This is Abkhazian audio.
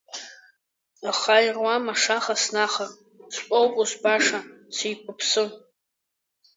Аха ируам ашаха снахар, стәоуп ус баша, сеиқәыԥсы.